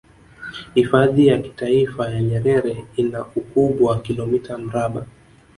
Hifadhi ya taifa ya Nyerere ina ukubwa wa kilomita mraba